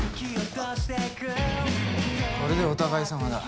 これでお互いさまだ。